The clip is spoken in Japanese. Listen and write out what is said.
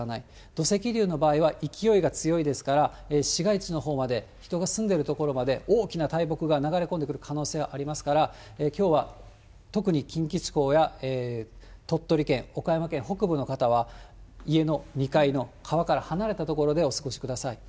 土石流の場合は勢いが強いですから、市街地のほうまで、人が住んでる所まで、大きな大木が流れ込んでくる可能性がありますから、きょうは特に近畿地方や鳥取県、岡山県北部の方は、家の２階の川から離れた所でお過ごしください。